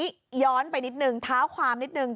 นี่ค่ะอันนี้ย้อนไปนิดนึงท้าวความนิดนึง